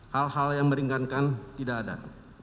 hal hal yang meringankan tidak ada